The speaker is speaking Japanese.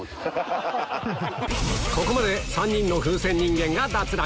ここまで３人の風船人間が脱落